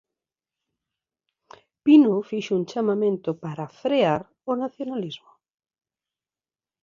Pino fixo un chamamento para "frear" o nacionalismo.